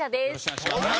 お願いします。